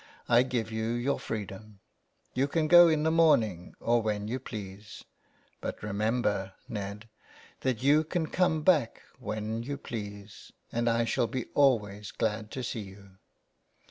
I give you your freedom. You can go in the morning or when you please. But remember, Ned, that you can come back when you please, that I shall be always glad to see you."